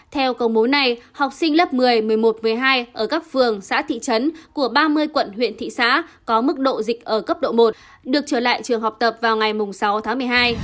theo công bố này học sinh lớp một mươi một mươi một một mươi hai ở các phường xã thị trấn của ba mươi quận huyện thị xã có mức độ dịch ở cấp độ một được trở lại trường học tập vào ngày sáu tháng một mươi hai